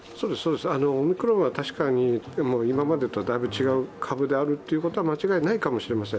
オミクロンは確かに今までとはだいぶ違う株であるということは間違いないかもしれません。